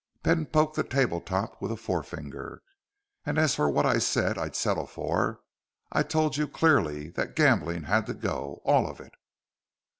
Ben poked the tabletop with a forefinger. "And as for what I said I'd settle for, I told you clearly that the gambling had to go all of it."